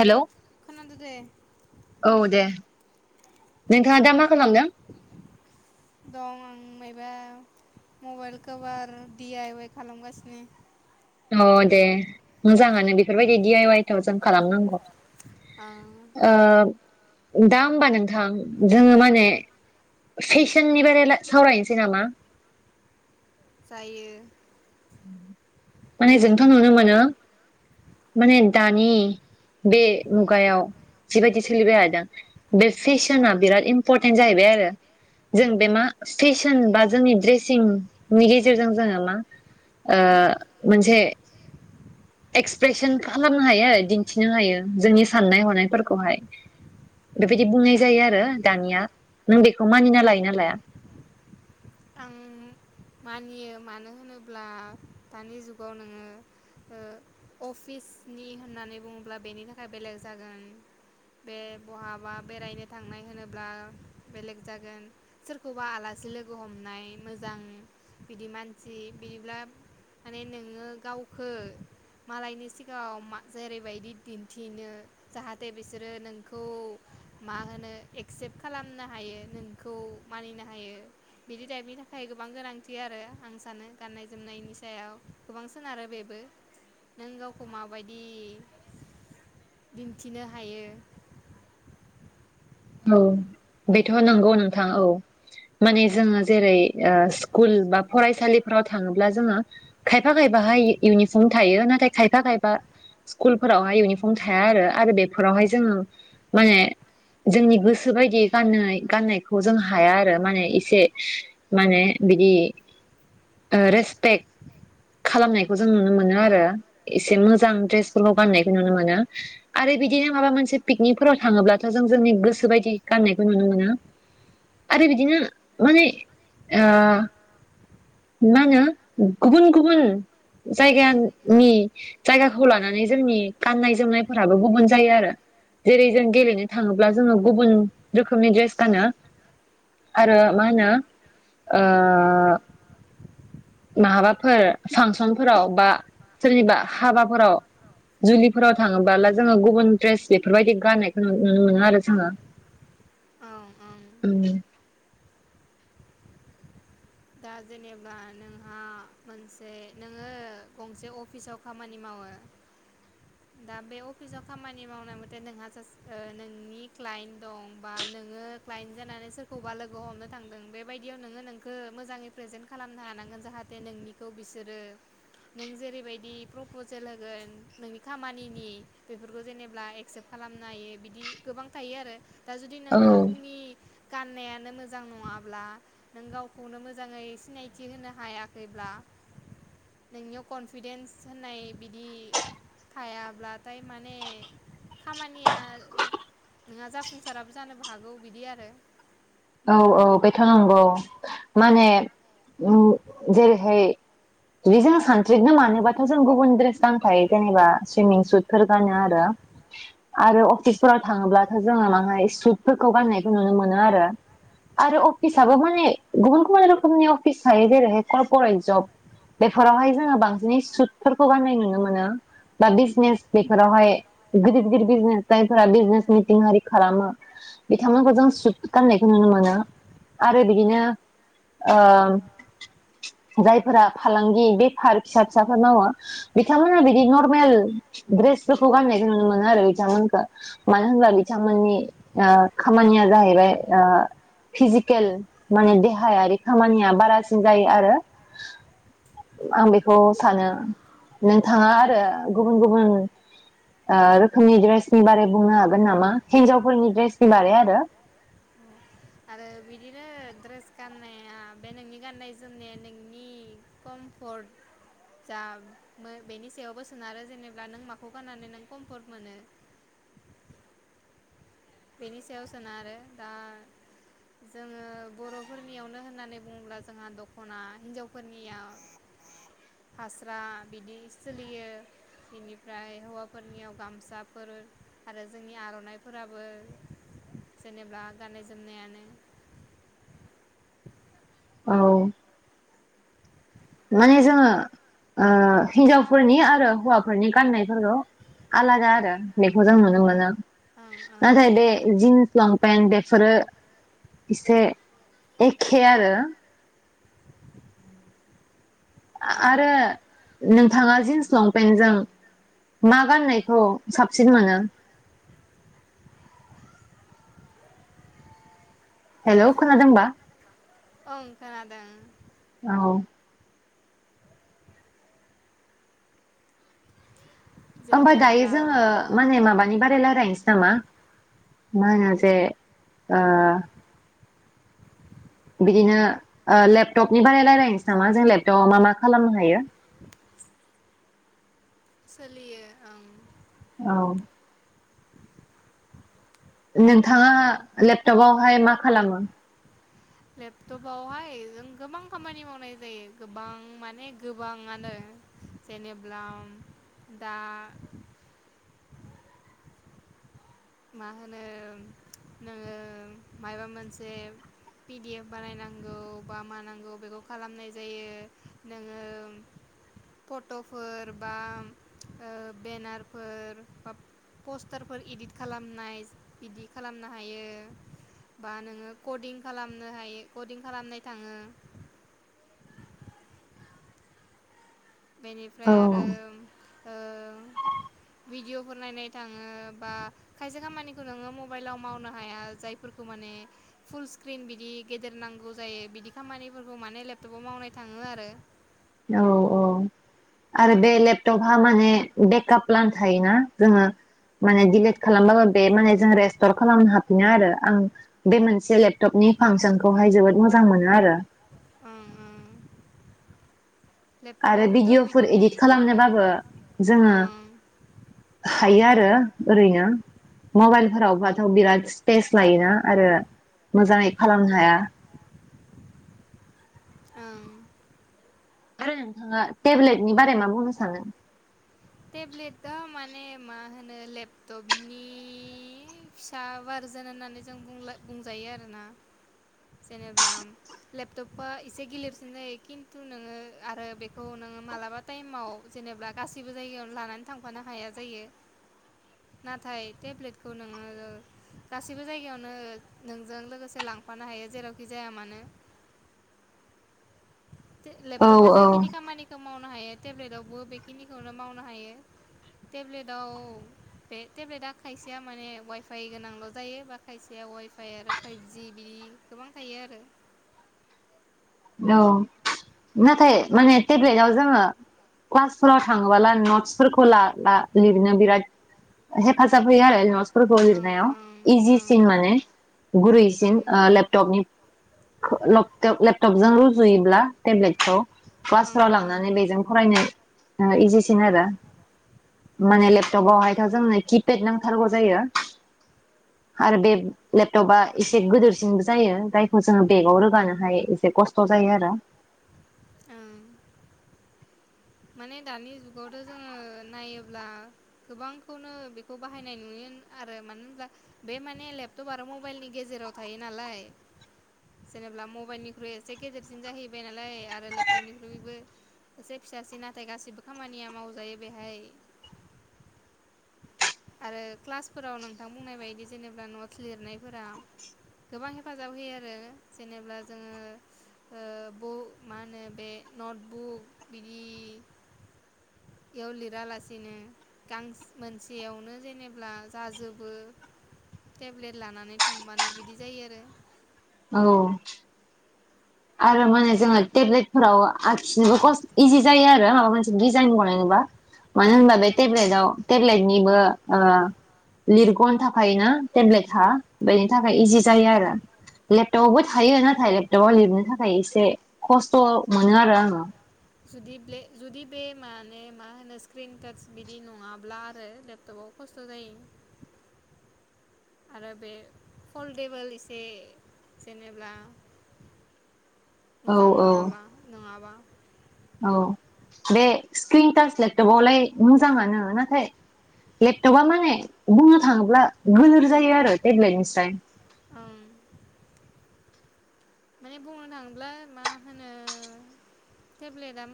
हेल' खोनादो दे औ दे नोंथाङा दा मा खालामदों? मायअबा मबाइल कभार दि आइ वाइ खालामगासिनो। अ दे मोजाङानो बेफोरबायदि दि आइ वाइ खौनो जों खालामनांगौ। आं ओ दा होमबा नोंथां जोङो माने फेशननि बागै सावरायनोसै नामा? जायो। माने जोंथ' नुनो मोनो माने दानि बे मुगायाव जिबायदि सोलिबाय थादों बे फेशना बिराद इम्परटेन्ट जाहैबाय आरो जों बे मा फेसन बा जोंनि ड्रेसिंनि गेजेरजों जोङो मा ओ मोनसे एक्सप्रेसन खालामनो हायो दिन्थिनो हायो जोंनि साननाय हनायफोरखौहाय बेबायदि बुंनाय जायो आरो दानिया। नों बेखौ मानिना लायो ना लाया? आं मानियो मानो होनोब्ला दानि जुगाव नोङो अफिसनि होननानै बुङोब्ला बेनि थाखाय बेलेग जागोन, बे बहाबा बेरायनो थांनाय होनोब्ला बेलेग जागोन, सोरखौबा आलासि लोगो हमनाय मोजां गिदिर मानसि बिदिब्ला माने नोङो गावखौ मालायनि सिगाङाव जेरैबायदि दिन्थिनो जाहाथे बिसोरो नोंखौ मा होनो एक्सेप्ट खालामनो हायो नोंखौ मानिनो हायो बिदि दाइपनि थाखाय गोबां गोनांथि आरो आं सानो गाननाय जोमनायनि सायाव गोबांसिन आरो बेबो नों गावखौ माबायदि दिन्थिनो हायो। औ उम बेथ नंगौ नोंथां औ माने जोङो जेरै ओ स्कुल बा फरायसालिफोराव थाङोब्ला जोङो खायफा खायफाहाय इउनिफर्म थायो नाथाय खायफा खायफा स्कुलफोरावहाय इउनिफर्म थाया आरो आरो बेफोरावहाय जोङो माने जोंनि गोसो बायदि गान गाननायखौ जों हाया आरो माने एसे माने बिदि ओ रेसपेक्ट खालामनायखौ जों नुनो मोनो आरो एसे मोजां द्रेसफोरखौ गाननायखौ नुनो मोनो आरो बिदिनो माबा मोनसे पिकनिकफोराव थाङोब्लाथ जों जोंनि गोसो बायदि गाननायखौ नुनो मोनो आरो बिदिनो माने मा होनो गुबुन गुबुन जायगानि जायगाखौ लानानै जोंनि गाननाय जोमनायफोराबो गुबुन जायो आरो जेरै जों गेलेनो थाङोब्ला जोङो गुबुन रोखोमनि ड्रेस गानो आरो मा होनो ओ माबाफोर फांसनफोराव बा सोरनिबा हाबाफोराव जुलिफोराव थाङोबला जोङो गुबुन द्रेस बेफोरबायदि गाननायखौ नुनो मोनो आरो जोङो ओं ओं दा जेनेबा नोंहा मोनसे नोङो गंसे अफिसाव खामानि मावो दा बे अफिसाव खामानि मावनाय मथे नोंहा सासे नोंनि क्लाइन्ट दं बा नोङो क्लाइन्ट जानानै सोरखौबा लोगो हमनो थांदों बेबायदियाव नोङो नोंखौ मोजाङै प्रेजेन्ट खालामनो हानांगोन जाहाथे नोंनिखौ बिसोरो नों जेरैबायदि प्रपजेल होगोन नोंनि खामानिनि बेफोरखौ जेनेब्ला एक्सेप्ट खालामनो हायो बिदि गोबां थायो आरो दा जुदि नों औ गावनि गाननायानो मोजां नङाब्ला नों गाव खौनो मोजाङै सिनायथि होनो हायाखैब्ला नोंनियाव कनफिडेन्स होननाय बिदि थायाब्लाथाय माने खामानिया नोंहा जाफुंसाराबो जानोबो हागौ बिदि आरो औ औ बेथ नंगौ माने ओम जेरैहाय बिदि जों सानस्रिनो मानोबाथ जों गुबुन द्रेस गांथाय जेनेबा सुइमिं सुटफोर गानो आरो आरो अफिसफोराव थाङोब्लाथ जोङो माहाय सुइतफोरखौ गाननायखौ नुनो मोनो आरो आरो अफिसाबबो माने गुबुन गुबुन रोखोमनि अफिस थायो जेरैहाय करर्परेट जब बेफोरावहाय जोङो बांसिनै सुटफोरखौ गाननाय नुनो मोनो। बा बिजनेस बेफोरावहाय गिदिर गिदिर बिजनेसफोरा बिजनेस मिथिं आरि खालामो बिथांमोनखौ जों सुट गाननाय नुनो मोनो आरो बिदिनो ओ जायफोरा फालांगि बेफार फिसा फिसाफोर मावो बिथांमोना बिदि नर्मेल दड्रेसफोरखौ गाननायखौ नुनो मोनो आरो बिथांमोनखौ मानो होनब्ला बिथांमोननि ओ खामानिया जाहैबाय ओ फिजिकेल माने देहायारि खामानिया बारासिन जायो आरो आं बेखौ सानो ओम नोंथाङा आरो गुबुन गुबुन ओ रोखोमनि ड्रेसनि बागै बुंनो हागोन नामा हिनजावफोरनि ड्रेसनि बागै आरो आरो बिदिनो ड्रेस गाननाया बे नोंनि गान्नाय जोमनाया नोंनि कमफर्ट जा बेनि सायावबो सोनारो जेनेबा नों माखौ गाननानै नों कम्फर्ट मोनो। बेनि सायाव सोनारो दा जोङो बरफोरनियावनो होननानै बुङोब्ला जोंहा दखना हिनजावफोरनियाव फास्रा बिदि सोलियो बेनिफ्राय हौवाफोरनियाव गामसाफोर आरो जोंनि आरनाइफोराबो जेनेबा गाननाय जोमनायानो औ माने जोङो ओ हिनजावफोरनि आरो हौवाफोरनि गाननायफोरखौ आलादा आरो बेखौ जों नुनो मोनो। ओं ओं नाथाय बे जिन्स लंपेन्ट बेफोरो एसे एखे आरो ओं आरो नोंथाङा जिन्स लंपेन्टजों मा गाननायखौ साबसिन मोनो। हेलौ खोनादोंबा? औ खोनादों औ होमबा दायो जेनेब्ला जोङो माने माबा नि बारै रायलायनोसै नामा मा होनो जे ओ बिदिनो ओ लेपटपनि बारै रायजलायनोसै नामा जों लेपटपाव मा मा खालामनो हायो। सोलियो ओं औ नोंथाङा लेपटपावहाय मा खालामो? लेपटपावहाय जों गोबां खामानि मावनाय जायो गोबां माने गोबाङानो जेनेब्ला दा मा होनो नोङो मायाबा मोनसे पिडिएफ बानायनांगौ बा मानांगौ बेखौ खालामनाय जायो नोङो फटफोर बा ओ बेनारफोर बा पस्टारफोर इदिट खालामनाय बिदि खालामनो हायो बा नोङो कदिं खालामनो हायो कदिं खालामनाय थाङो। औ बेनिफ्राय आरो ओ भिडिअ फोर नायनाय थाङो बा खायसे खामानिखौ नोङो मबाइलाव मावनो हाया जायफोरखौ माने फुल स्क्रिन बिदि गेदेर नांगौ जायो बिदि खामानिफोरखौ माने लेपटपाव मावनाय थाङो आरो औ औ आरो बे लेपटपहा माने बेकआप प्लान थायोना जोङो माने दिडिलिट खालामबाबो बे माने जों रेस्टर खालामनो हाफिनो आरो आं बे मोनसे लेपटपनि फांसनखौहाय जोबोद मोजां मोनो आरो ओं ओं आरो लेपटपावबोथ' भिडिअफोर बिदिनो इदिट खालामनोबाबो जोङो ओं हायो आरो ओरैनो मबाइलफोरावबाथ बिराद स्पेस लायोना आरो मोजाङै खालामनो हाया। ओं आरो नोंथाङा टेब्लेटनि बारै मा बुंनो सानो? ने मा होनो लेपटपनि फिसा बारजोन होननानै जों बुंलाय बुंजायो आरोना जेनेब्ला लेपटपा एसे गिलेरसिन जायो खिन्थु नोङो आरो बेखौ नोङो मालाबा टाइमाव जेनेबा गासिबो जायगायावनो लानानै थांफानो हाया जायो नाथाय टेब्लेटखौ नोङो गासिबो जायगायावनो नोंजों लोगोसे लांफानो हायो जेरावखि जाया मानो औ लेपटपाव औ जाखिनि खामानि माव नो हायो टेब्लेटआवबो बेखिनिखौनो मावनो हायो टेब्लेटआव बे टेब्लेटआ खायसेया माने वाइफाइ गोनांल' जायो बा खायसेया वाइफाइ आरो फाइभजि बिदि गोबां थायो आरो औ नाथाय माने टेब्लेटाव जोङो क्लासफोराव थाङोबोला नटसफोरखौ ला ला लिरनो बिराद हेफाजाब होयो आरो नटस फोरखौ ओं लिरनायाव ओं ओं इजिसिन माने गुरैसिन ओं ओ लेपटपनि लगट लेप जों रुजुयोब्ला थेब्लेट खौ ओं क्लासफोराव लांनानै बेजों फरायनो नोङो इजिसिन आरो माने उम लेपटपावहायथ' जोंनो किपेड नांथारगौ जायो आरो बे लेपटपा एसे गोदोरसिनबो जायो जायखौ जोङो बेगाव रोगानो हाय एसे खस्थ' जायो आरो उम माने दानि जुगावथ' जोङो नायोब्ला गोबांखौनो बेखौ बाहायनाय नुयो आरो मानो होनब्ला बे माने लेपटप आरो मबाइलनि गेजेराव थायो नालाय जेनेबा मबाइलनिख्रुइ एसे गेदेरसिन जाहैबाय नालाय आरो लेपटपनिख्रुइबो एसे फिसासिन नाथाय गासिबो खामानिया मावजायो बेहाय आरो क्लासफोराव नोंथां बुंनाय बायदि जेनेबा नटस लिरनायफोराव गोबां हेफाजाब होयो आरो जेनेबा जोङो ओ ब मा होनो बे नटबुक बिदियाव लिरालासिनो गां मोनसे बेयावनो जेनेबा जाजोबो टेब्लेट लानानै थांबानो बिदि जायो आरो। औ। आरो माने जोङो टेब्लेटफोराव आखिनोबो खस इजि जायो आरो माबा मोनसे डिजाइन बनायनोबा मानो ओं होनबा बे ओं टेबलेटआव टेब्लेटनिबो ओ लिरग'न थाफायो ना टेब्लेट हा बेनि थाखाय इजि जायो आरो लेपटपावबो थायो नाथाय लेपटपाव लिरनो थाखाय एसे खस्थ' मोनो आरो आङो जुदि ब्ले जुदि बे माने मा होनो स्क्रिन टाच बिदि नङाब्ला आरो लेपटपाव खस्थ' जायो। आरो बे फलदेबोल एसे जेनेबा औ मोजां औ नङाबा नोङाबा। औ बे स्क्रिन टाच लेपटप आवलाय मोजाङानो नाथाय लेपटपा माने बुंनो थाङोब्ला गोलोर जायो आरो टेब्लेटनिसाय ओं माने बुंनो थाङोब्ला मा होनो टेब्लेटआ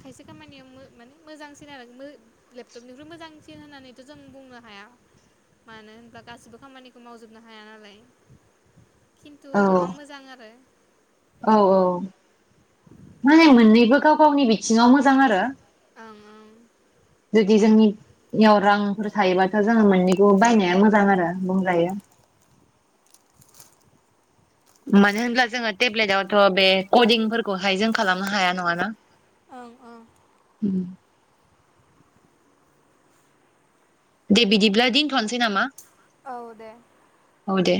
खायसे खामानियाव माने मोजांसिन आरो लेपटपनिख्रुइ मोजांसिन होननानैथ' जों बुंनो हाया मानो होनब्ला गासिबो खामानिखौ मावजोबनो हाया नालाय खिथु औ गोबां मोज बो औ औ माने मोननैबो गाव गावनि बिथिङाव मोजां आरो। ओं ओं जुदि जोंनियाव रां फोर थायोबाथ' जोङो मोननैखौ बायनाया मोजां आरो बुंजायो। मानो होनब्ला जोङो टेब्लेटआवथ' बे कदिंफोरखौहाय जों खालामनो हाया नङाना। ओं ओं उम। दे बिदिब्ला दिनथ'नोसै नामा। औ दे। औ दे